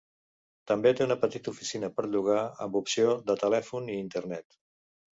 També té una petita oficina per llogar amb opció de telèfon i Internet.